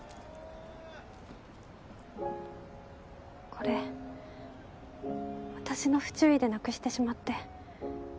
これ私の不注意でなくしてしまって。